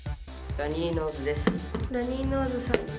ラニーノーズさんです。